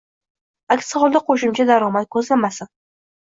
Aks holda, qo‘shimcha daromad ko‘zlamasin.